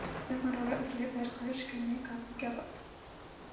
اربوں ڈالر اسلحے پر خرچ کرنے کا کیا فائدہ